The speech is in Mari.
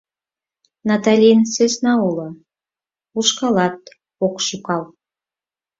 Наталин сӧсна уло, ушкалат ок шӱкал.